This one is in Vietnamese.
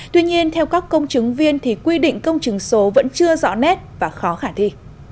tuy nhiên theo các công chứng viên thì quy định công chứng số vẫn chưa rõ nét và khó khả thi